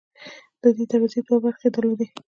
دې دروازې دوه برخې درلودې.